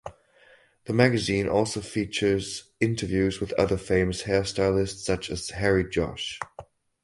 The magazine also features interviews with other famous hairstylists such as Harry Josh.